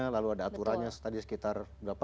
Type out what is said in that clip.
lalu ada aturannya tadi sekitar